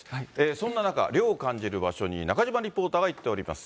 そんな中、涼を感じる場所に中島リポーターが行っております。